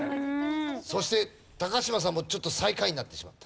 そして嶋さんもちょっと最下位になってしまった。